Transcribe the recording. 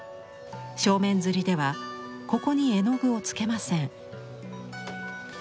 正面摺ではここに絵の具をつけません。